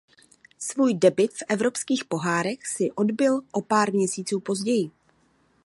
Svůj debut v evropských pohárech si odbyl o pár měsíců později.